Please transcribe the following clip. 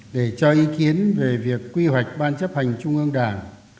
để cho ý kiến về việc quy hoạch ban chấp hành trung ương đảng